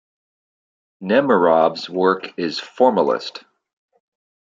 Nemerov's work is formalist.